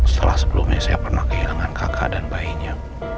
setelah sebelumnya saya pernah kehilangan kakak dan bayinya